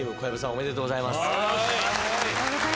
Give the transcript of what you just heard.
ありがとうございます。